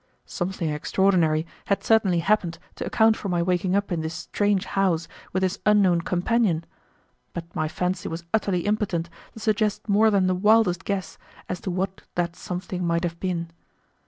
Something extraordinary had certainly happened to account for my waking up in this strange house with this unknown companion, but my fancy was utterly impotent to suggest more than the wildest guess as to what that something might have been.